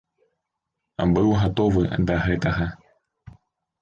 Быў гатовы да гэтага.